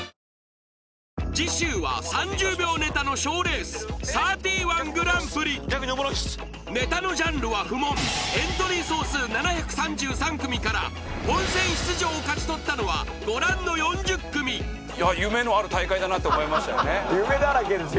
次週は３０秒ネタのショーレースサーティワングランプリネタのジャンルは不問エントリー総数７３３組から本選出場を勝ち取ったのはご覧の４０組いや夢のある大会だなと思いましたよね夢だらけですよ